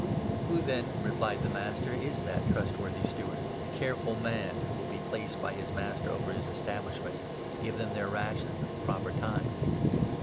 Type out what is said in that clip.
" Who, then," replied the Master, "is that 42 trustworthy steward, the careful man, who will be placed by his master over his establishment, to give them their rations at the proper time